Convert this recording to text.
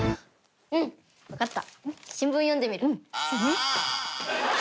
うんわかった。